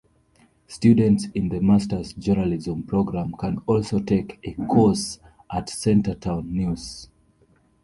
Students in the Masters journalism program can also take a course at Centretown News.